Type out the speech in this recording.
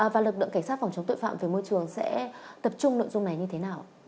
và lực lượng cảnh sát phòng chống tội phạm về môi trường sẽ tập trung nội dung này như thế nào